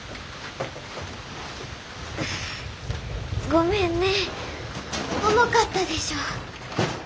ごめんね重かったでしょ。